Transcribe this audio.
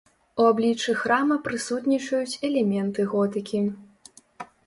У абліччы храма прысутнічаюць элементы готыкі.